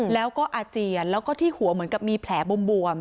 แล้วก็อาเจียนแล้วก็ที่หัวเหมือนกับมีแผลบวม